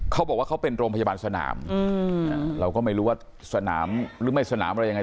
เขาบอกว่าเขาเป็นโรงพยาบาลสนามเราก็ไม่รู้ว่าสนามหรือไม่สนามอะไรยังไง